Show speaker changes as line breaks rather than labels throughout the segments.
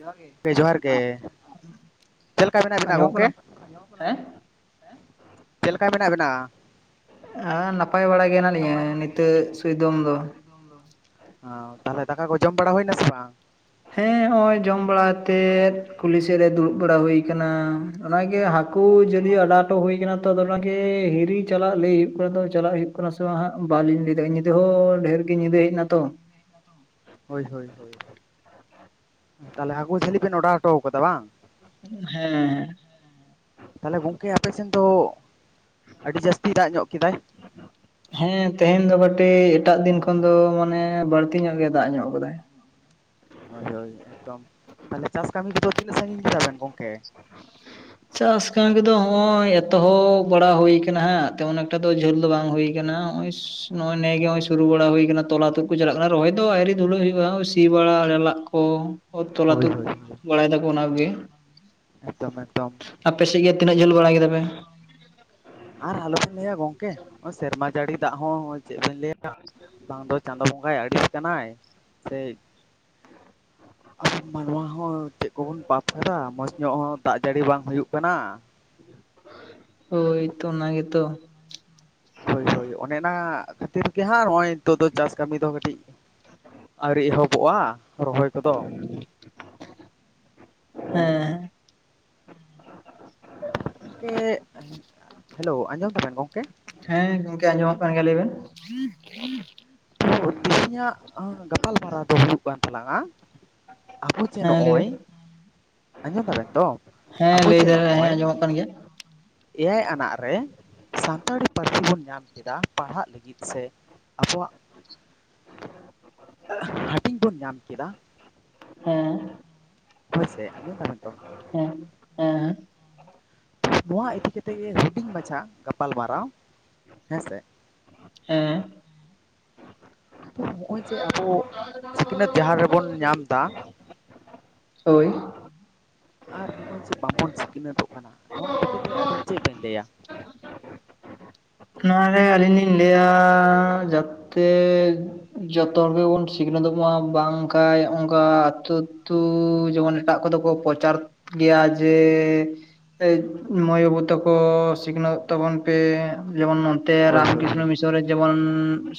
ᱡᱚᱸᱦᱟᱨ ᱜᱮ ᱜᱚᱝᱠᱮ ᱡᱚᱦᱟᱨ ᱜᱮ? ᱪᱮᱫ ᱞᱮᱠᱟ ᱢᱮᱱᱟᱜ ᱵᱮᱱᱟ
ᱟᱸᱡᱚᱢᱚᱜ
ᱜᱚᱢᱠᱮ?
ᱠᱟᱱᱟ? ᱦᱮᱸ?
ᱪᱮᱫ ᱞᱮᱠᱟ ᱢᱮᱱᱟᱜ ᱵᱮᱱᱟ?
ᱦᱮᱸ ᱱᱟᱯᱟᱭ ᱵᱟᱲᱟ ᱜᱮ ᱦᱮᱱᱟᱞᱤᱧᱟᱹ ᱱᱤᱛᱚᱜ ᱥᱩᱭᱫᱚᱢ ᱫᱚ᱾
ᱚ ᱛᱟᱦᱚᱞᱮ ᱫᱟᱠᱟ ᱠᱚ ᱡᱚᱢ ᱵᱟᱲᱟ ᱦᱩᱭᱱᱟ ᱥᱮ ᱵᱟᱝ?
ᱦᱮᱸ ᱱᱚᱜᱼᱚᱭ ᱡᱚᱢ ᱵᱟᱲᱟᱛ ᱠᱩᱞᱦᱤ ᱥᱮᱫ ᱨᱮ ᱫᱩᱲᱩᱵ ᱵᱟᱲᱟ ᱦᱩᱭ ᱟᱠᱟᱱᱟ ᱚᱱᱟᱜᱮ ᱦᱟᱹᱠᱩ ᱡᱟᱹᱞᱤ ᱟᱸᱴᱼᱼ ᱴᱳ ᱦᱩᱭ ᱟᱠᱟᱱᱟ ᱛᱚ ᱟᱫᱚ ᱚᱱᱟᱜᱮ ᱦᱤᱨᱤ ᱪᱟᱞᱟᱜ ᱞᱟᱹᱭ ᱦᱩᱭᱩᱜ ᱠᱟᱱᱟ ᱛ ᱪᱟᱞᱟᱜ ᱦᱩᱭᱩᱜᱼᱼ ᱠᱟᱱᱟ ᱥᱮ ᱵᱟᱝ ᱦᱜ ᱵᱟᱞᱤᱧ ᱞᱟᱹᱭ ᱫᱟᱲᱭᱟᱜᱼᱟ ᱧᱤᱫᱟᱹ ᱦᱚᱸ ᱰᱷᱮᱨᱜ ᱜᱮ ᱧᱤᱫᱟᱹ ᱦᱮᱡ ᱮᱱᱟ ᱛᱚ
ᱦᱳᱭ ᱦᱳᱭ ᱦᱳᱭ ᱛᱟᱦᱚᱞᱮ ᱦᱟᱹᱠᱩ ᱡᱷᱟᱹᱞᱤ ᱵᱮᱱ ᱚᱰᱟᱨ ᱦᱚᱴᱚ ᱠᱟᱫᱟ ᱵᱟᱝ?
ᱦᱮᱸ ᱦᱮᱸ
ᱛᱟᱦᱚᱞᱮ ᱜᱚᱝᱠᱮ ᱟᱯᱮ ᱥᱮᱱ ᱫᱚ ᱟᱹᱰᱤ ᱡᱟᱹᱥᱛᱤ ᱫᱟᱜ ᱧᱚᱜ ᱠᱮᱫᱟᱭ?
ᱦᱮᱸ ᱛᱮᱦᱮᱧ ᱫᱚ ᱠᱟᱹᱴᱤᱡ ᱮᱴᱟᱜ ᱫᱤᱱ ᱠᱷᱚᱱ ᱫᱚ ᱢᱟᱱᱮ ᱵᱟᱹᱲᱛᱤ ᱧᱚᱜ ᱜᱮ ᱫᱟᱜ ᱧᱚᱜ ᱟᱠᱟᱫᱟᱭ
ᱦᱳᱭ ᱦᱳᱭ ᱮᱠᱫᱚᱢ ᱛᱟᱦᱚᱞᱮ ᱪᱟᱥ ᱠᱟᱹᱢᱤ ᱠᱚᱫᱚ ᱛᱤᱱᱟᱹᱜ ᱥᱟᱹᱜᱤᱧ ᱪᱟᱵᱱ ᱜᱚᱢᱠᱮ
ᱪᱟᱥ ᱠᱟᱢᱤ ᱠᱚᱫᱚ ᱦᱚᱸᱜᱼᱚᱭ ᱮᱛᱚᱦᱚᱵ ᱵᱟᱲᱟ ᱦᱩᱭ ᱠᱟᱱᱟ ᱦᱟᱸᱜ, ᱛᱮᱢᱚᱱ ᱮᱠᱴᱟ ᱫᱚ ᱡᱷᱟᱹᱞ ᱫᱚ ᱵᱟᱝ ᱦᱩᱭ ᱠᱟᱱᱟ ᱦᱚᱸᱜᱼᱚᱭ ᱥ ᱱᱚᱜᱼᱚᱭ ᱱᱮᱜᱮ ᱦᱚᱸᱜᱼᱚᱭ ᱥᱩᱨᱩ ᱵᱟᱲᱟ ᱦᱩᱭ ᱠᱟᱱᱟ ᱛᱚᱞᱟ ᱛᱩᱫ ᱠᱚ ᱪᱟᱞᱟᱜ ᱠᱟᱱᱟ ᱨᱚᱦᱚᱭ ᱫᱚ ᱟᱭᱨᱤ ᱫᱷᱩᱞᱟᱹᱜ ᱦᱩᱭᱩᱜᱼᱟ ᱥᱤ ᱵᱟᱲᱟ ᱟᱲᱮ ᱞᱟᱜ ᱠᱚ, ᱛᱚᱞᱟ ᱛᱩᱫ
[unintelligible]
ᱵᱟᱲᱟᱭ ᱫᱟᱠᱚ ᱚᱱᱟ ᱠᱚᱜᱮ᱾
ᱮᱠᱫᱚᱢ ᱮᱠᱫᱚᱢ᱾
ᱟᱯᱮ ᱥᱮᱫ ᱜᱮ ᱛᱤᱱᱟᱹᱜ ᱡᱷᱟᱹᱞ ᱵᱟᱲᱟ ᱠᱮᱫᱟ ᱯᱮ?
ᱟᱨ ᱟᱞᱚᱵᱚᱵᱱ ᱞᱟᱹᱭᱟ ᱜᱚᱝᱠᱮ ᱚᱭ ᱥᱮᱨᱢᱟ ᱡᱟᱹᱲᱤ ᱫᱟᱜ ᱦᱚᱸ ᱪᱮᱫ ᱵᱮᱱ ᱞᱟᱹᱭᱟ, ᱵᱟᱝ ᱫᱚ ᱪᱟᱸᱫᱚ ᱵᱚᱸᱜᱟᱭ ᱟᱹᱲᱤᱥ ᱠᱟᱱᱟᱭ, ᱥᱮ ᱟᱵᱚ ᱢᱟᱱᱣᱟ ᱦᱚᱸ ᱪᱮᱫ ᱠᱚᱵᱚᱱ ᱯᱟᱯ ᱠᱟᱫᱟ, ᱢᱚᱸᱡᱽ ᱧᱚᱜ ᱦᱚᱸ ᱫᱟᱜ ᱡᱟᱹᱲᱤ ᱵᱟᱝ ᱦᱩᱭᱩᱜ ᱠᱟᱱᱟ᱾
ᱦᱳᱭ ᱛᱚ ᱚᱱᱟ ᱜᱮᱛᱚ᱾
ᱦᱳᱭ ᱦᱳᱭ ᱚᱱᱮ ᱚᱱᱟ ᱠᱷᱟᱹᱛᱤᱨ ᱜᱮ ᱦᱟᱸᱜ ᱱᱚᱜᱼᱚᱭ ᱱᱤᱛᱚᱜ ᱫᱚ ᱪᱟᱥ ᱠᱟᱹᱢᱤ ᱫᱚ ᱠᱟᱹᱴᱤᱡ ᱟᱹᱣᱨᱤ ᱮᱦᱚᱵᱚᱜᱼᱟ ᱨᱚᱦᱚᱭ ᱠᱚᱫᱚ᱾
[inaudible] ᱦᱮᱸ᱾
ᱜᱚᱝᱠᱮ, ᱦᱮᱞᱳ ᱟᱸᱡᱚᱢ ᱫᱟᱵᱮᱱ ᱜᱚᱝᱠᱮ?
ᱦᱮᱸ ᱜᱚᱝᱠᱮ ᱟᱸᱡᱚᱢᱚᱜ ᱠᱟᱱ ᱜᱮᱭᱟ, ᱞᱟᱹᱭ ᱵᱮᱱ᱾
ᱛᱚ ᱛᱤᱦᱤᱧᱟᱜ ᱜᱟᱯᱟᱞᱢᱟᱨᱟᱣ ᱫᱚ ᱦᱩᱭᱩᱜ ᱠᱟᱱ ᱛᱟᱞᱟᱝᱼᱟ ᱟᱵᱚ ᱡᱮ
ᱦᱮᱸ ᱞᱟᱹᱭ
ᱱᱚᱜᱼᱚᱭ,
ᱵᱮᱱ
ᱟᱸᱡᱚᱢ ᱫᱟᱵᱮᱱ ᱛᱚ?
ᱦᱮᱸ
ᱟᱵᱚ
ᱞᱟᱹᱭ
ᱡᱮ
ᱫᱟᱞᱮ ᱦᱮᱸ
ᱱᱚᱜᱼᱚᱭ
ᱟᱸᱡᱚᱢᱚᱜ ᱠᱟᱱ ᱜᱮᱭᱟ
ᱮᱭᱟᱭ ᱟᱱᱟᱜ ᱨᱮ ᱥᱟᱱᱛᱟᱲᱤ ᱯᱟᱹᱨᱥᱤ ᱵᱚᱱ ᱧᱟᱢ ᱠᱮᱫᱟ ᱯᱟᱲᱦᱟᱜ ᱞᱟᱹᱜᱤᱫ ᱥᱮ ᱟᱵᱚᱣᱟᱜ ᱦᱟᱹᱴᱤᱧ ᱵᱚᱱ ᱧᱟᱢ ᱠᱮᱫᱟ,
ᱦᱮᱸ᱾
ᱦᱳᱭ ᱥᱮ, ᱟᱸᱡᱚᱢ ᱫᱟᱵᱮᱱ ᱛᱚ?
ᱦᱮᱸ᱾ ᱦᱮᱸ ᱦᱮᱸ᱾
ᱱᱚᱣᱟ ᱤᱫᱤ ᱠᱟᱛᱮ ᱜᱮ ᱦᱩᱰᱤᱧ ᱢᱟᱪᱷᱟ ᱜᱟᱯᱟᱞ ᱢᱟᱨᱟᱣ, ᱦᱮᱸ ᱥᱮ?
ᱦᱮᱸ᱾
ᱦᱚᱸᱜᱼᱚᱭ ᱡᱮ ᱟᱵᱚ ᱥᱤᱠᱷᱱᱟᱹᱛ ᱡᱟᱦᱟᱸ ᱨᱮᱵᱚᱱ ᱧᱟᱢ ᱮᱫᱟ
ᱦᱳᱭ᱾
ᱟᱨ ᱱᱚᱜᱼᱚᱭ ᱡᱮ ᱵᱟᱝᱵᱚᱱ ᱥᱤᱠᱷᱱᱟᱹᱛᱚᱜ ᱠᱟᱱᱟ ᱱᱚᱣᱟ ᱤᱫᱤ ᱠᱟᱛᱮᱫ ᱟᱵᱮᱱ ᱪᱮᱫ ᱵᱮᱱ ᱞᱟᱹᱭᱟ?
ᱚᱱᱟ ᱜᱮ ᱟᱹᱞᱤᱧ ᱞᱤᱧ ᱞᱟᱹᱭᱟ ᱡᱟᱛᱮ ᱡᱚᱛᱚ ᱦᱚᱲ ᱜᱮᱵᱚᱱ ᱥᱤᱠᱷᱱᱟᱹᱛᱚᱜ ᱢᱟ ᱵᱟᱝᱠᱷᱟᱡ ᱚᱱᱠᱟ ᱟᱹᱛᱩ ᱟᱹᱛᱩ ᱡᱮᱢᱚᱱ ᱮᱴᱟᱜ ᱠᱚᱫᱚ ᱠᱚ ᱯᱚᱪᱟᱨ ᱜᱮᱭᱟ ᱡᱮ ᱮᱭ ᱢᱟᱹᱭ ᱵᱟᱹᱵᱩ ᱛᱟᱠᱚ ᱥᱤᱠᱷᱱᱟᱹᱛᱚᱜ ᱛᱟᱵᱚᱱ ᱯᱮ, ᱡᱮᱢᱚᱱ ᱛᱮ
ᱦᱳᱭ
ᱨᱟᱢ
ᱦᱳᱭ
ᱠᱨᱤᱥᱱᱚ ᱢᱤᱥᱚᱱ ᱨᱮ ᱡᱮᱢᱚᱱ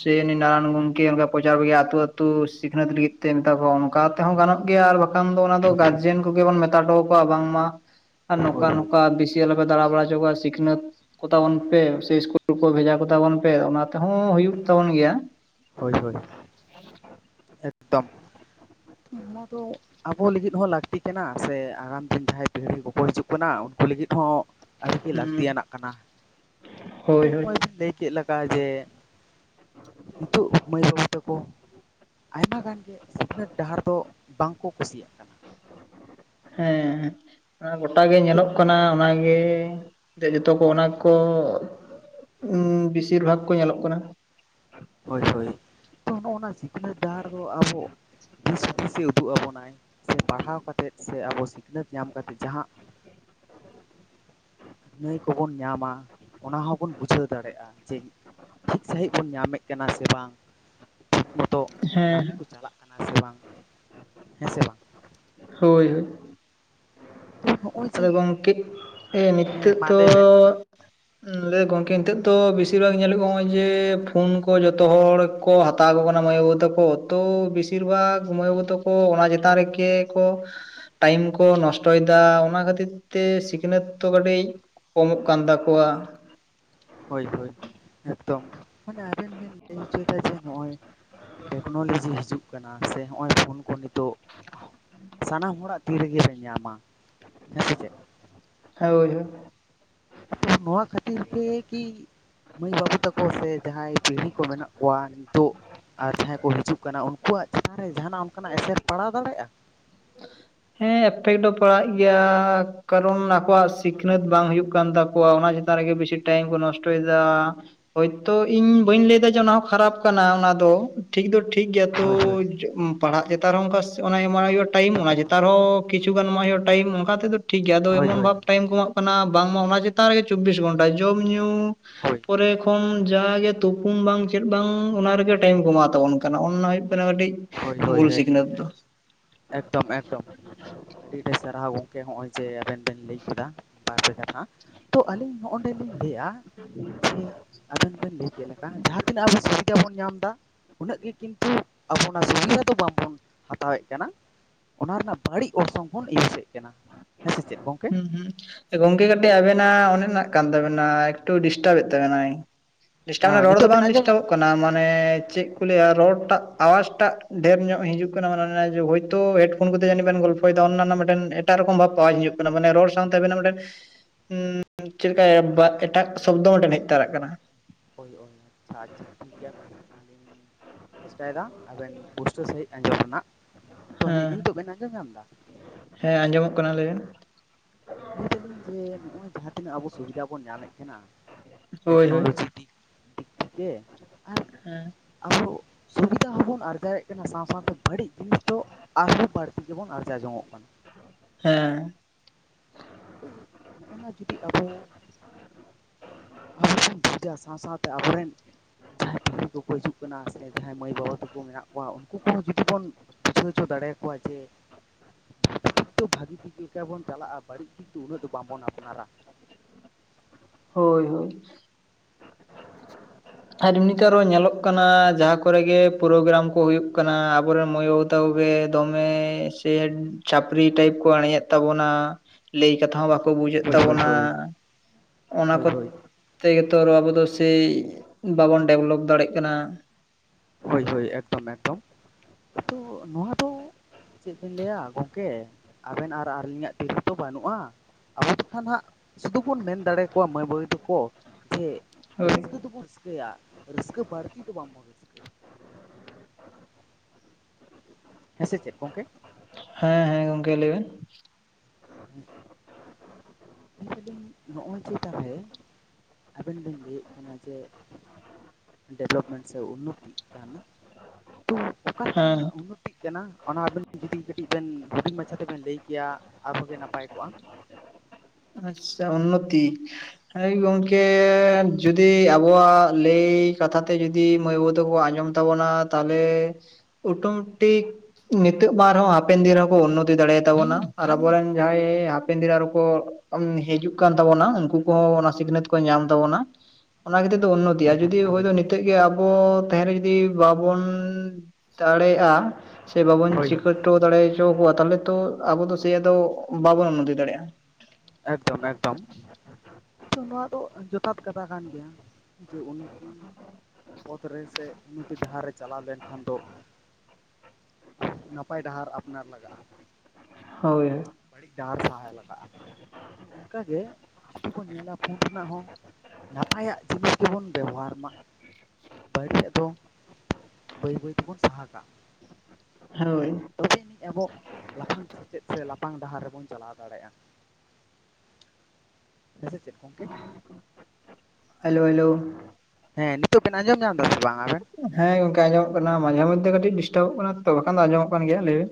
ᱥᱮ ᱩᱱᱤ ᱱᱟᱨᱟᱱ ᱜᱚᱢ ᱠᱮ ᱚᱱᱠᱟ ᱯᱨᱚᱪᱟᱨ ᱠᱚ ᱜᱮᱭᱟ ᱟᱹᱛᱩ ᱟᱹᱛᱩ ᱥᱤᱠᱷᱱᱟᱹᱛ ᱞᱟᱹᱜᱤᱫ ᱛᱮ ᱢᱮᱛᱟ ᱠᱚᱣᱟ ᱚᱱᱠᱟ ᱛᱮᱦᱚᱸ ᱜᱟᱱᱚᱜ ᱜᱮᱭᱟ ᱟᱨ ᱵᱟ ᱠᱷᱟᱱ ᱫᱚ ᱚᱱᱟ ᱫᱚ
ᱦᱳᱭ ᱦᱳᱭ ᱦᱳᱭ
ᱜᱟᱨᱡᱮᱱ ᱠᱚᱜᱮ ᱵᱚᱱ ᱢᱮᱛᱟ ᱦᱚᱴᱚ ᱟᱠᱚᱣᱟ ᱵᱟᱝᱢᱟ ᱟᱨ ᱱᱚᱠᱟ
ᱦᱳᱭ ᱦᱳᱭ
ᱱᱚᱠᱟ ᱵᱤᱥ ᱟᱞᱚᱯᱮ ᱫᱟᱲᱟ ᱵᱟᱲᱟ ᱦᱚᱪᱚ ᱟᱠᱚᱣᱟ ᱥᱤᱠᱷᱱᱟᱹᱛ ᱠᱚᱛᱟᱵᱚᱱ ᱯᱮ ᱥᱮ ᱤᱥᱠᱩᱞ ᱠᱚ ᱵᱷᱮᱡᱟ ᱠᱚᱛᱟᱵᱚᱱ ᱯᱮ ᱚᱱᱟ ᱛᱮᱦᱚᱸ ᱦᱩᱭᱩᱜ ᱛᱟᱵᱚᱱ ᱜᱮᱭᱟ᱾
ᱦᱳᱭ ᱦᱳᱭ ᱮᱠᱫᱚᱢ, ᱱᱚᱣᱟᱫᱚ ᱟᱵᱚ ᱞᱮᱜᱤᱫ ᱦᱚᱸ ᱞᱟᱠᱛᱤ ᱠᱟᱱᱟ ᱥᱮ ᱟᱜᱟᱢ ᱫᱤᱱ ᱡᱟᱸᱦᱟᱭ ᱯᱤᱲᱦᱤ ᱠᱚᱠᱚ ᱦᱤᱡᱩᱜ ᱠᱟᱱᱟ ᱩᱱᱠᱩ ᱞᱮᱜᱤᱫ ᱦᱚᱸ ᱟᱹᱰᱤᱜᱮ
ᱦᱩᱸ
ᱞᱟᱹᱠᱛᱤᱭᱟᱱᱟᱜ ᱠᱟᱱᱟ᱾ ᱛᱚ
ᱦᱳᱭ ᱦᱳᱭ
ᱱᱚᱜ-ᱚᱭ ᱵᱤᱱ ᱞᱟᱹᱭ ᱠᱮᱫ ᱞᱮᱠᱟ ᱡᱮ ᱛᱳᱜ ᱢᱟᱹᱭ ᱵᱟᱵ ᱛᱟᱠᱚ ᱟᱭᱢᱟ ᱜᱟᱱ ᱜᱮ ᱥᱤᱠᱷᱱᱟᱹᱛ ᱰᱟᱦᱟᱨ ᱫᱚ ᱵᱟᱝ ᱠᱚ ᱠᱩᱥᱤᱭᱟᱜ ᱠᱟᱱᱟ᱾
ᱦᱮᱸ ᱦᱮᱸ ᱚᱱᱟ ᱜᱚᱴᱟ ᱜᱮ ᱧᱮᱞᱚᱜ ᱠᱟᱱᱟ ᱚᱱᱟᱜᱮ᱾ ᱜᱮ ᱫᱮ ᱡᱚᱛᱚ ᱠᱚ ᱚᱱᱟ ᱠᱚ ᱩᱸ ᱵᱤᱥᱤᱨ ᱵᱷᱟᱜᱽ ᱠᱚ ᱧᱮᱞᱚᱜ ᱠᱟᱱᱟ᱾
ᱦᱳᱭ ᱦᱳᱭ ᱛᱚ ᱱᱚᱜᱼᱚᱱᱟ ᱥᱤᱠᱷᱱᱟᱹᱛ ᱰᱟᱦᱟᱨ ᱫᱚ ᱟᱵᱚ ᱫᱤᱥ ᱦᱩᱫᱤᱥᱮ ᱩᱫᱩᱜ ᱟᱵᱚᱱᱟᱭ ᱥᱮ ᱯᱟᱲᱦᱟᱣ ᱠᱟᱛᱮᱫ ᱥᱮ ᱟᱵᱚ ᱥᱤᱠᱷᱱᱟᱹᱛ ᱧᱟᱢ ᱠᱟᱛᱮᱫ ᱡᱟᱸᱦᱟ
ᱦᱮᱸ [unintelligible]
ᱱᱟᱹᱭ ᱠᱚᱵᱚᱱ ᱧᱟᱢᱟ ᱚᱱᱟ ᱦᱚᱸᱵᱚᱱ ᱵᱩᱡᱷᱟᱹᱣ ᱫᱟᱲᱮᱜᱼᱟ ᱡᱮ ᱴᱷᱤᱠ ᱥᱟᱹᱦᱤᱡ ᱵᱚᱱ ᱧᱟᱢᱮᱫ ᱠᱮᱱᱟ ᱥᱮ ᱵᱟᱝ ᱴᱷᱤᱠ ᱢᱚᱛᱚ
ᱦᱮᱸ
ᱠᱟᱢᱤ ᱠᱚ ᱪᱟᱞᱟᱜ ᱠᱟᱱᱟ ᱥᱮ ᱵᱟᱝ ᱦᱮᱸᱥᱮ ᱵᱟᱝ?
ᱦᱳᱭ ᱦᱳᱭ᱾
ᱚ [inaudible]
ᱟᱫᱚ ᱜᱚᱝᱠᱮ ᱱᱤᱛᱚᱜ
ᱢᱟ
ᱛᱚ
ᱞᱟᱹᱭ ᱵᱮᱱ
ᱞᱟᱹᱭ ᱜᱚᱝᱠᱮ ᱱᱤᱛᱚᱜ ᱛᱚ ᱵᱤᱥᱤᱨ ᱵᱷᱟᱜ ᱧᱮᱞᱚᱜᱼᱟ ᱱᱚᱜᱼᱚᱭ ᱡᱮ ᱯᱷᱩᱱ ᱠᱚ ᱡᱚᱛᱚᱦᱚᱲ ᱠᱚ ᱦᱟᱛᱟᱣᱚ ᱠᱟᱱᱟ ᱢᱟᱹᱭ ᱵᱟᱹᱵᱩ ᱛᱟᱠᱚ ᱛᱚ ᱵᱮᱥᱤᱨ ᱵᱷᱟᱜ ᱢᱟᱹᱭ ᱵᱟᱹᱵᱩ ᱛᱟᱠᱚ ᱚᱱᱟ ᱪᱮᱛᱟᱱ ᱨᱮᱜᱮ ᱠᱚ ᱴᱟᱭᱤᱢ ᱠᱚ ᱱᱚᱥᱴᱚᱭᱮᱫᱟ ᱚᱱᱟ ᱠᱷᱟᱹᱛᱤᱨ ᱛᱮ ᱥᱤᱠᱷᱱᱟᱹᱛ ᱫᱚ ᱠᱟᱹᱴᱤᱡ ᱠᱚᱢᱚᱜ ᱠᱟᱱ ᱛᱟᱠᱚᱣᱟ᱾
ᱦᱳᱭ ᱦᱳᱭ ᱮᱠᱫᱚᱢ ᱢᱟᱱᱮ ᱟᱵᱮᱱ ᱵᱮᱱ ᱞᱟᱹᱭ ᱦᱚᱪᱚᱭ ᱫᱟ ᱡᱮ ᱱᱚᱜᱼᱚᱭ ᱴᱮᱠᱱᱳᱞᱚᱡᱤ ᱦᱤᱡᱩᱜ ᱠᱟᱱᱟ ᱥᱮ ᱦᱚᱸᱜ-ᱚᱭ ᱯᱷᱳᱱ ᱠᱚ ᱱᱤᱛᱚᱜ ᱥᱟᱱᱟᱢ ᱦᱚᱲᱟᱜ ᱛᱤ ᱨᱮᱜᱮ ᱵᱮᱱ ᱧᱟᱢᱟ᱾ ᱦᱮᱸ ᱥᱮᱪᱮᱫ?
ᱦᱳᱭ ᱦᱳ᱾
ᱟᱯᱮ ᱱᱚᱣᱟ ᱠᱷᱟᱹᱛᱤᱨ ᱛᱮᱠᱤ ᱢᱟᱹᱭ ᱵᱟᱹᱵᱩ ᱛᱟᱠᱚ ᱥᱮ ᱡᱟᱸᱦᱟᱭ ᱯᱤᱲᱦᱤ ᱠᱚ ᱢᱮᱱᱟᱜ ᱠᱚᱣᱟ ᱱᱤᱛᱚᱜ ᱟᱨ ᱡᱟᱸᱦᱟᱭ ᱠᱚ ᱦᱤᱡᱩᱜ ᱠᱟᱱᱟ ᱩᱱᱠᱩᱣᱟᱜ ᱪᱮᱛᱟᱱ ᱨᱮ ᱡᱟᱦᱟᱱᱟᱜ ᱚᱱᱠᱟᱱᱟᱜ ᱮᱯᱷᱮᱴ ᱯᱟᱲᱟᱣ ᱫᱟᱲᱮᱜᱼᱟ?
ᱦᱮᱸ ᱮᱯᱷᱮᱠ ᱫᱚ ᱯᱟᱲᱟᱜ ᱜᱮᱭᱟ᱾ ᱠᱟᱨᱚᱱ ᱟᱠᱚᱣᱟᱜ ᱥᱤᱠᱷᱱᱟᱹᱛ ᱵᱟᱝ ᱦᱩᱭᱩᱜ ᱠᱟᱱ ᱛᱟᱠᱚᱣᱟ ᱚᱱᱟ ᱪᱮᱛᱟᱱ ᱨᱮᱜᱮ ᱵᱤᱥᱤ ᱴᱟᱭᱤᱢ ᱠᱚ ᱱᱚᱥᱴᱚᱭᱫᱟ᱾ ᱦᱳᱭᱛᱚ ᱤᱧ ᱵᱟᱹᱧ ᱞᱟᱹᱭᱫᱟ ᱡᱮ ᱚᱱᱟᱦᱚ ᱠᱷᱟᱨᱟᱯ ᱠᱟᱱᱟ ᱚᱱᱟ ᱫᱚ ᱴᱷᱤᱠ ᱫᱚ ᱴᱷᱤᱠ ᱜᱮᱭᱟ ᱛᱳ
ᱦᱳᱭ ᱦᱳᱭ
ᱯᱟᱲᱦᱟᱜ ᱪᱮᱛᱟᱱ ᱨᱮᱦᱚᱸ ᱚᱱᱠᱟ ᱚᱱᱟ ᱮᱢᱟᱜ ᱦᱩᱭᱩᱜᱼᱟ ᱴᱟᱭᱤᱢ
ᱮᱠᱫᱚᱢ
ᱚᱱᱟ ᱪᱮᱫ
ᱮᱠᱫᱚᱢ
ᱚ ᱠᱤᱪᱷᱩ ᱜᱟᱱ ᱮᱢᱚᱜ ᱦᱩᱭᱩᱜ-ᱟ ᱴᱟᱭᱤᱢ ᱚᱱᱠᱟ ᱛᱮᱫᱚ ᱴᱷᱤᱠ ᱜᱮᱭᱟ ᱟᱫᱚ
ᱦᱳᱭ
ᱮᱢᱚᱱ
ᱦᱳᱭ
ᱵᱷᱟᱵ ᱴᱟᱭᱤᱢ ᱠᱚ ᱮᱢᱟᱜ ᱠᱟᱱᱟ ᱵᱟᱝᱢᱟ ᱚᱱᱟ ᱪᱮᱛᱟᱱ ᱨᱮᱜᱮ ᱪᱚᱵᱵᱤᱥ ᱜᱷᱚᱱᱴᱟ ᱡᱚᱢ ᱧᱩ
ᱦᱳᱭ
ᱯᱚᱨᱮ ᱠᱷᱚᱱ ᱡᱟᱦᱟᱜᱮ ᱛᱩᱯᱩᱢ ᱵᱟᱝ ᱪᱮᱫ ᱵᱟᱝ ᱚᱱᱟ ᱨᱮᱜᱮ ᱴᱟᱭᱤᱢ ᱠᱚ ᱮᱢᱟᱣ ᱛᱟᱵᱚᱱ ᱠᱟᱱᱟ ᱚᱱᱱᱟ ᱦᱩᱭᱩᱜ ᱠᱟᱱᱟ ᱠᱟᱹᱴᱤᱡ
ᱦᱳᱭ ᱦᱳᱭ
ᱵᱷᱩᱞ
ᱦᱳᱭ
ᱥᱤᱠᱷᱱᱟᱹᱛ ᱫᱚ
ᱮᱠᱫᱚᱢ ᱮᱠᱫᱚᱢ ᱟᱹᱰᱤ ᱰᱷᱮᱨ ᱥᱟᱨᱦᱟᱣ ᱜᱚᱝ ᱡᱮ ᱦᱚᱜᱼᱚᱭ ᱡᱮ ᱟᱵᱮᱱ ᱵᱮᱱ ᱞᱟᱹᱭ ᱠᱮᱫᱟ ᱵᱟᱨᱯᱮ ᱠᱟᱛᱷᱟ ᱛᱚ ᱟᱹᱞᱤᱧ ᱦᱚ ᱚᱱᱰᱮ ᱞᱤᱧ ᱞᱟᱹᱭᱟ ᱡᱮ ᱟᱵᱮᱱ ᱵᱮᱱ ᱞᱟᱹᱭ ᱠᱮᱫᱮ ᱞᱮᱠᱟ ᱡᱟᱸᱦᱟ ᱛᱤᱱᱟᱹᱜ ᱟᱵᱚ ᱥᱩᱵᱤᱫᱟ ᱵᱚᱱ ᱧᱟᱢ ᱫᱟ ᱩᱱᱟᱹᱜ ᱜᱮ ᱠᱤᱱᱛᱩ ᱟᱵᱚ ᱚᱱᱟ ᱥᱩᱵᱤᱫᱷᱟ ᱫᱚ ᱵᱟᱢᱵᱚᱱ ᱦᱟᱛᱟᱣᱮᱫ ᱠᱟᱱᱟ᱾ ᱚᱱᱟ ᱨᱮᱱᱟᱜ ᱵᱟᱹᱲᱤᱡ ᱚᱨᱥᱚᱝ ᱵᱚᱱ ᱤᱭᱩᱥᱮᱜ ᱠᱟᱱᱟ ᱦᱮᱸ ᱥᱮ ᱪᱮᱫ ᱜᱚᱝᱠᱮ?
ᱦᱩᱸ ᱦᱩᱸ ᱜᱚᱝᱠᱮ ᱠᱟᱹᱴᱤᱡ ᱟᱵᱮᱱᱟᱜ ᱚᱱᱮᱱᱟᱜ ᱠᱟᱱ ᱛᱟᱵᱮᱱᱟ ᱮᱠᱴᱩ ᱰᱤᱥᱴᱟᱵᱮᱫ ᱛᱟᱵᱮᱱᱟᱭ᱾ ᱰᱤᱥᱴᱟᱵ ᱫᱚ
ᱦᱮᱸ
ᱨᱚᱲ ᱫᱚ
ᱱᱤᱛᱚᱜ ᱵᱮᱱ
ᱵᱟᱝ
ᱟᱸᱡᱚᱢ ᱧᱟᱢ
ᱰᱤᱥᱴᱟᱵᱚᱜ
ᱮᱫᱟ
ᱠᱟᱱᱟ ᱢᱟᱱᱮ ᱪᱮᱜ ᱠᱚ ᱞᱟᱹᱭᱟ ᱨᱚᱲᱴᱟᱜ ᱟᱣᱟᱡᱴᱟᱜ ᱰᱷᱮᱨ ᱧᱚᱜ ᱦᱤᱡᱩᱜ ᱠᱟᱱᱟ ᱢᱟᱱᱮ ᱱᱮ ᱦᱳᱭᱛᱚ ᱦᱮᱰᱯᱷᱳᱱ ᱠᱚᱛᱮ ᱡᱟᱹᱱᱤᱡ ᱵᱮᱱ ᱜᱚᱞᱯᱚ ᱦᱳᱭ ᱛᱚ ᱚᱱ ᱱᱟ ᱨᱮᱱᱟᱜ ᱢᱮᱴᱮᱱ ᱮᱴᱟᱜ ᱨᱚᱠᱚᱢ ᱵᱷᱟᱯ ᱦᱤᱡᱩᱜ ᱠᱟᱱᱟ ᱢᱟᱱᱮ ᱨᱚᱲ ᱥᱟᱶᱛᱮ ᱟᱵᱮᱱᱟᱜ ᱢᱮᱴᱮᱱ ᱩᱸ ᱪᱮᱫ ᱠᱟ ᱮᱴᱟᱜ ᱥᱚᱵᱽᱫᱚ ᱢᱮᱴᱮᱱ ᱦᱮᱡ ᱛᱟᱨᱟᱜ ᱠᱟᱱᱟ᱾
ᱦᱳᱭ ᱳᱭ ᱟᱪᱪᱷᱟ ᱟᱪᱪᱷᱟ ᱴᱷᱤᱠ ᱜᱮᱭᱟ ᱜᱚᱝᱠᱮ ᱟᱹᱞᱤᱧ ᱪᱮᱥᱴᱟᱭ ᱮᱫᱟ ᱟᱵᱮᱱ ᱯᱩᱥᱴᱟᱹᱣ ᱥᱟᱹᱦᱤᱡ ᱟᱸᱡᱚᱢ ᱨᱮᱱᱟᱜ ᱛᱚ ᱱᱤ
ᱦᱮᱸ
ᱤᱛᱳᱜ ᱵᱮᱱ ᱟᱸᱡᱚᱢ ᱧᱟᱢ ᱫᱟ?
ᱦᱮᱸ ᱟᱸᱡᱚᱢᱚᱜ ᱠᱟᱱᱟ ᱞᱟᱹᱭ ᱵᱮᱱ᱾
ᱞᱟᱹᱭ ᱫᱟᱞᱤᱧ ᱡᱮ ᱱᱚᱜᱼᱚᱭ ᱡᱟᱦᱟᱸ ᱛᱤᱱᱟᱹᱜ ᱟᱵᱚ ᱥᱩᱵᱤᱫᱟ ᱵᱚᱱ ᱧᱟᱢᱮᱫ ᱠᱟᱱᱟ᱾
ᱦᱳᱭ ᱦᱳᱭ
ᱴᱮᱠᱱᱳᱞᱚᱡᱤ ᱫᱤᱠ ᱫᱤᱠ ᱛᱷᱮᱠᱮ ᱟᱨ
ᱦᱮᱸ
ᱟᱵᱚ ᱥᱩᱵᱤᱫᱟ ᱦᱚᱸᱵᱚᱱ ᱟᱨᱡᱟᱣᱮᱫ ᱠᱟᱱᱟ ᱥᱟᱶ ᱥᱟᱶᱛᱮ ᱵᱟᱹᱲᱤᱡ ᱡᱤᱱᱤᱥ ᱫᱚ ᱟᱨᱦᱚᱸ ᱵᱟᱹᱲᱛᱤ ᱜᱮᱵᱚᱱ ᱟᱨᱡᱟᱣ ᱡᱚᱝᱚᱜ ᱠᱟᱱᱟ᱾
ᱦᱮᱸ᱾
ᱛᱚ ᱱᱚᱜ-ᱚᱱᱟ ᱡᱩᱫᱤ ᱟᱵᱚ ᱟᱵᱚ ᱵᱚᱱ ᱵᱩᱡᱟ ᱥᱟᱶ ᱥᱟᱶᱛᱮ ᱟᱵᱚᱨᱮᱱ ᱡᱟᱦᱟᱸᱭ ᱛᱤᱨᱞᱟᱹ ᱠᱚᱠᱚ ᱦᱤᱡᱩᱜ ᱠᱟᱱᱟ ᱥᱮ ᱡᱟᱦᱟᱸᱭ ᱢᱟᱹᱭ ᱵᱟᱹᱵᱩ ᱛᱟᱠᱚ ᱢᱮᱱᱟᱜ ᱠᱚᱣᱟ ᱩᱱᱠᱩ ᱠᱚᱦᱚᱸ ᱡᱩᱫᱤ ᱵᱚᱱ ᱵᱩᱡᱷᱟᱹᱣ ᱦᱚᱪᱚ ᱫᱟᱲᱮᱭᱟᱠᱚᱣᱟ ᱡᱮ ᱵᱷᱟᱹᱜᱤ ᱫᱤᱠ ᱫᱚ ᱵᱷᱟᱹᱜᱤ ᱫᱤᱠ ᱞᱮᱠᱟ ᱵᱚᱱ ᱪᱟᱞᱟᱜᱼᱟ ᱵᱟᱹᱲᱤᱡ ᱫᱤᱠ ᱫᱚ ᱩᱱᱟᱹᱜ ᱫᱚ ᱵᱟᱝᱵᱚᱱ ᱟᱯᱱᱟᱨᱟ᱾
ᱦᱳᱭ ᱦᱳᱭ᱾ ᱟᱨ ᱮᱢᱱᱤ ᱛᱮ ᱟᱨᱚ ᱧᱮᱞᱚᱜ ᱠᱟᱱ ᱚᱱᱟ ᱡᱟᱦᱟᱸ ᱠᱚᱨᱮ ᱜᱮ ᱯᱨᱳᱜᱨᱟᱢ ᱠᱚ ᱦᱳᱭᱳᱜ ᱠᱟᱱᱟ ᱟᱵᱚᱨᱮᱱ ᱢᱟᱹᱭ ᱵᱟᱹᱵᱩ ᱛᱟᱠᱚᱜᱮ ᱫᱚᱢᱮ ᱛᱮᱦᱮᱱ ᱪᱷᱟᱯᱨᱤ ᱴᱟᱭᱤᱯ ᱠᱚ ᱟᱲᱮᱡᱮᱫ ᱛᱟᱵᱚᱱᱟ ᱞᱟᱹᱭ ᱠᱟᱛᱷᱟ ᱦᱚᱸ ᱵᱟᱠᱚ ᱵᱩᱡᱮᱫ
ᱦᱳᱭ ᱦᱳᱭ
ᱛᱟᱵᱚᱱᱟ᱾
ᱦᱳᱭ
ᱚᱱᱟ
ᱦᱳᱭ
ᱠᱚ
ᱦᱳᱭ
ᱛᱮᱜᱮ ᱛᱚ ᱟᱨᱚ ᱟᱵᱚ ᱫᱚ ᱥᱮᱭ ᱵᱟᱵᱚᱱ ᱰᱮᱵᱷᱞᱚᱯ ᱫᱟᱲᱮᱜ ᱠᱟᱱᱟ᱾
ᱦᱳᱭ ᱦᱳᱭ ᱮᱠᱫᱚᱢ ᱮᱠᱫᱚᱢ᱾ ᱛᱚ ᱱᱚᱣᱟ ᱫᱚ ᱪᱮᱫ ᱵᱮᱱ ᱞᱟᱹᱭᱟ ᱜᱚᱢᱠᱮ ᱟᱵᱮᱱ ᱟᱨ ᱟᱹᱞᱤᱧᱟᱜ ᱛᱤ ᱨᱮ ᱛᱚ ᱵᱟᱹᱱᱩᱜᱼᱟ᱾ ᱟᱵᱚ ᱫᱚ ᱠᱷᱟᱱ ᱦᱟᱸᱜ ᱥᱩᱫᱩ ᱵᱚᱱ ᱢᱮᱱ ᱫᱟᱲᱮ ᱟᱠᱚᱣᱟ ᱢᱟᱹᱭ ᱵᱟᱹᱵᱩᱭ ᱛᱟᱠᱚ ᱡᱮ
ᱦᱳᱭ
ᱨᱟᱹᱥᱠᱟᱹ ᱫᱚᱵᱚᱱ ᱨᱟᱹᱥᱠᱟᱹᱭᱟ᱾ ᱨᱟᱹᱥᱠᱟᱹ ᱵᱟᱹᱲᱛᱤ ᱫᱚ ᱵᱟᱝ ᱵᱚᱱ ᱦᱮᱸᱥᱮ ᱪᱮᱫ ᱜᱚᱝᱠᱮ?
ᱦᱮᱸ ᱦᱮᱸ ᱜᱚᱝᱠᱮ ᱞᱟᱹᱭ ᱵᱮᱱ᱾
[inaudible] ᱢᱮᱱᱫᱟᱞᱤᱧ ᱱᱚᱜᱼᱚᱭ ᱡᱮ ᱛᱟᱦᱚᱞᱮ ᱟᱵᱮᱱ ᱵᱮᱱ ᱞᱟᱹᱭᱮᱫ ᱛᱟᱦᱮᱱᱟ ᱡᱮ-ᱼ ᱰᱮᱵᱷᱞᱚᱯᱢᱮᱱᱴ ᱥᱮ ᱩᱱᱱᱚᱛᱤᱜ ᱠᱟᱱᱟ᱾ ᱛᱚ ᱚᱠᱟ
ᱦᱮᱸ
ᱞᱮᱠᱟᱱᱟᱜ ᱩᱱᱱᱚᱛᱤᱜ ᱠᱟᱱᱟ ᱚᱱᱟ ᱟᱵᱮᱱ ᱡᱩᱫᱤ ᱠᱟᱹᱴᱤᱡ ᱵᱮᱱ ᱦᱩᱰᱤᱧ ᱢᱟᱪᱷᱟ ᱛᱮᱵᱮᱱ ᱞᱟᱹᱭ ᱠᱮᱭᱟ ᱟᱨᱦᱚᱸᱜᱮ ᱱᱟᱯ
ᱟᱪᱪᱷᱟ ᱩᱱᱱᱚᱛᱤ᱾ ᱦᱳᱭ ᱜᱚᱢᱠᱮ ᱡᱩᱫᱤ ᱟᱵᱚᱣᱟᱜ ᱞᱟᱹᱭ ᱠᱟᱛᱷᱟ ᱛᱮ ᱡᱩᱫᱤ ᱢᱟᱹᱭ ᱵᱟᱹᱵᱩ ᱛᱟᱠᱚ ᱟᱸᱡᱚᱢ ᱛᱟᱵᱚᱱᱟ ᱛᱟᱦᱚᱞᱮ ᱚᱴᱳᱢᱮᱴᱤᱠ ᱱᱤᱛᱳᱜ ᱵᱟᱝ ᱨᱮᱦᱚᱸ ᱦᱟᱯᱮᱱ ᱫᱤᱱ ᱨᱮᱠᱚ ᱩᱱᱱᱚᱛᱤ ᱫᱟᱲᱮᱭᱟᱛᱟᱵᱚᱱᱟ ᱟᱨ ᱟᱵᱚᱨᱮᱱ ᱡᱟᱦᱟᱸᱭ ᱦᱯᱮᱱᱫᱤᱱ ᱨᱮ ᱟᱨᱚ ᱠᱚ ᱩᱸᱢ ᱦᱤᱡᱩᱜ ᱠᱟᱱ ᱛᱟᱵᱚᱱᱟ ᱩᱱᱠᱩ ᱠᱚᱦᱚᱸ ᱚᱱᱟ ᱥᱤᱠᱷᱱᱟᱹᱛ ᱠᱚ ᱧᱟᱢ ᱛᱟᱵᱚᱱᱟ᱾ ᱚᱱᱟ ᱠᱷᱟᱛᱤᱨ ᱫᱚ ᱩᱱᱱᱚᱛᱤᱼᱟ ᱡᱩᱫᱤ ᱦᱳᱭ ᱫᱚ ᱱᱤᱛ ᱱᱤᱛᱳᱜ ᱜᱮ ᱟᱵᱚ ᱛᱟᱦᱮᱧ ᱨᱮ ᱡᱩᱫᱤ ᱵᱟᱵᱚᱱ ᱫᱟᱲᱮᱭᱟᱜᱼᱟ ᱥᱮ ᱵᱟᱵᱚᱱ
ᱦᱳᱭ
ᱪᱤᱠᱟᱹ
ᱦᱳᱭ
ᱦᱚᱴᱚ ᱫᱟᱲᱮᱦᱚᱪᱚ ᱠᱚᱣᱟ ᱛᱟᱦᱚᱞᱮ ᱛᱚ ᱟᱵᱚ ᱫᱚ ᱥᱮ ᱟᱫᱚ ᱵᱟᱵᱚᱱ ᱩᱱᱱᱚᱛᱤ ᱫᱟᱲᱮᱜᱼᱟ᱾
ᱮᱠᱫᱚᱢ ᱮᱠᱫᱚᱢ᱾ ᱛᱚ ᱱᱚᱣᱟ ᱫᱚ ᱡᱚᱛᱷᱟᱛ ᱠᱟᱛᱷᱟ ᱠᱟᱱ ᱜᱮᱭᱟ ᱡᱮ ᱩᱱᱠᱤ ᱯᱚᱫ ᱨᱮ ᱥᱮ ᱩᱱᱱᱚᱛᱤ ᱰᱟᱦᱟᱨ ᱨᱮ ᱪᱟᱞᱟᱣ ᱞᱮᱱᱠᱷᱟᱱ ᱫᱚ ᱱᱟᱯᱟᱭ ᱰᱟᱦᱟᱨ ᱟᱯᱱᱟᱨ ᱞᱟᱜᱟᱼᱟ᱾
ᱦᱳᱭ ᱦᱳᱭ᱾
ᱵᱟᱹᱲᱤᱡ ᱰᱟᱦᱟᱨ ᱥᱟᱦᱟᱭ ᱞᱟᱜᱟᱼᱟ᱾ ᱚᱱᱠᱟᱜᱮ ᱡᱩᱫᱤ ᱵᱚᱱ ᱧᱮᱞᱟ ᱯᱷᱳᱱ ᱨᱮᱱᱟᱜ ᱦᱚᱸ ᱱᱟᱯᱟᱭᱟᱜ ᱡᱤᱱᱤᱥ ᱜᱮᱵᱚᱱ ᱵᱮᱵᱚᱦᱟᱨ ᱢᱟ᱾ ᱵᱟᱹᱲᱤᱡᱟᱜ ᱫᱚ ᱵᱟᱹᱭ ᱵᱟᱹᱭ ᱛᱮᱵᱚᱱ ᱥᱟᱦᱟ ᱠᱟᱜ᱾
ᱦᱳᱭ᱾
ᱛᱚᱵᱮ ᱟᱹᱱᱤᱡ ᱟᱵᱚ ᱞᱟᱯᱷᱟᱝ ᱥᱮᱪᱮᱫ ᱥᱮ ᱞᱟᱯᱷᱟᱝ ᱰᱟᱦᱟᱨ ᱨᱮᱵᱚᱱ ᱪᱟᱞᱟᱣ ᱫᱟᱲᱮᱜᱼᱟ᱾ ᱦᱮᱸ ᱥᱮ ᱪᱮᱫ? ᱜᱚᱝᱠᱮ
ᱦᱮᱞᱳ ᱦᱮᱞᱳ?
ᱦᱮᱸ ᱱᱤᱛᱚᱜ ᱵᱮᱱ ᱟᱸᱡᱚᱢ ᱧᱟᱢ ᱮᱫᱟ ᱥᱮ ᱵᱟᱝ ᱟᱵᱮᱱ?
ᱦᱮᱸ ᱜᱚᱝᱠᱮ ᱟᱸᱡᱚᱢᱚᱜ ᱠᱟᱱᱟ ᱢᱟᱡᱷᱮ ᱢᱚᱫᱽᱫᱷᱮ ᱠᱟᱹᱴᱤᱡ ᱰᱤᱥᱴᱟᱵᱚᱜ ᱠᱟᱱᱟ ᱛᱚ ᱵᱟᱠᱷᱟᱱ ᱫᱚ ᱟᱸᱡᱚᱢᱚᱜ ᱠᱟᱱ ᱜᱮᱭᱟ ᱞᱟᱹᱭ ᱵᱮᱱ?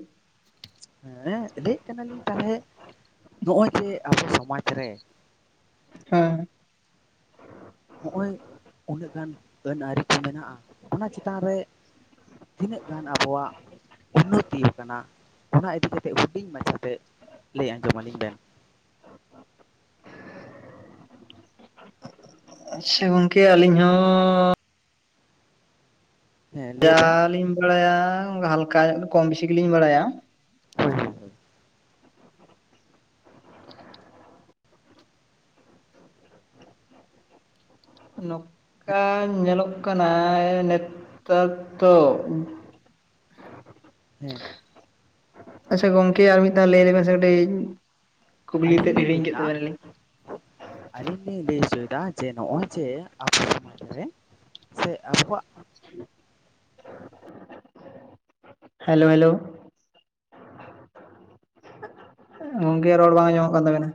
ᱦᱮᱸ ᱞᱟᱹᱭᱮᱫ ᱠᱟᱱᱟᱞᱤᱧ ᱛᱟᱦᱚᱞᱮ ᱱᱚᱜᱼᱚᱭ ᱡᱮ ᱟᱵᱚ ᱥᱚᱢᱟᱡᱽ ᱨᱮᱼᱼ
ᱦᱮᱸ
ᱦᱚᱜᱼᱚᱭ ᱩᱱᱟᱹᱜ ᱜᱟᱱ ᱜᱟᱹᱱ ᱟᱹᱨᱤ ᱠᱚ ᱢᱮᱱᱟᱜᱼᱟ ᱚᱱᱟ ᱪᱮᱛᱟᱱ ᱨᱮ ᱛᱤᱱᱟᱹᱜ ᱜᱟᱱ ᱟᱵᱚᱣᱟᱜ? ᱩᱱᱱᱚᱛᱤ ᱭᱟᱠᱟᱱᱟ ᱚᱱᱟ ᱤᱫᱤ ᱠᱟᱛᱮᱜ ᱦᱩᱰᱤᱧ ᱢᱟᱪᱷᱟᱛᱮ ᱞᱮᱭ ᱟᱸᱡᱚᱢ ᱟᱹᱞᱤᱧ ᱵᱮᱱ?
ᱟᱪᱪᱷᱟ ᱜᱚᱝᱠᱮ ᱟᱹᱞᱤᱧ ᱦᱚᱸᱼᱼ
ᱦᱮᱸ ᱞᱟᱹᱭ
ᱡᱟ
ᱵᱮᱱ
ᱞᱤᱧ ᱵᱟᱲᱟ ᱭᱟ ᱦᱟᱞᱠᱟ ᱧᱚᱜ ᱜᱮ ᱠᱚᱢ ᱵᱤᱥᱤ ᱜᱤᱞᱤᱧ ᱵᱟᱲᱟ ᱭᱟ,
ᱦᱳᱭ ᱦᱳᱭ
ᱱᱚᱠᱠᱟ ᱧᱮᱞᱚᱜ ᱠᱟᱱᱟᱭ ᱱᱮᱛᱛᱟᱨ ᱫᱚ,
ᱦᱮᱸ
ᱟᱪᱪᱷᱟ ᱜᱚᱝᱠᱮ ᱟᱨ ᱢᱤᱫ ᱫᱷᱟᱣ ᱞᱮᱭ ᱞᱮᱵᱮᱱ ᱥᱮ ᱠᱟᱹᱴᱤᱡ ᱠᱩᱠᱞᱤ
ᱟᱹᱞᱤᱧ
ᱛᱮᱫ
ᱞᱤᱧ
ᱦᱤᱲᱤᱧ
ᱞᱟᱹᱭ
ᱠᱮᱫ
ᱮᱫᱟ
ᱛᱟᱵᱮ ᱱᱟᱞᱤᱧ
ᱟᱹᱞᱤᱧ ᱞᱤᱧ ᱞᱮᱭ ᱦᱚᱪᱚᱭᱮᱫᱟ ᱡᱮ ᱱᱚᱜᱼᱚᱭ ᱡᱮ ᱟᱵᱳ ᱥᱚᱢᱟᱡᱽ ᱨᱮᱼᱼ ᱥᱮ ᱟᱠᱚᱣᱟᱜᱼᱼ
ᱦᱮᱞᱳ ᱦᱮᱞᱳ? ᱜᱚᱝᱠᱮ ᱨᱚᱲ ᱵᱟᱝ ᱟᱸᱡᱚᱢᱚᱜ ᱠᱟᱱ ᱛᱟᱵᱮᱱᱟ?